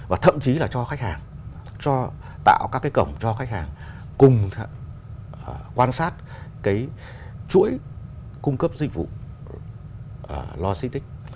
và thậm chí là cho khách hàng tạo các cái cổng cho khách hàng cùng quan sát cái chuỗi cung cấp dịch vụ logistics